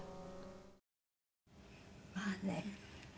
まあね。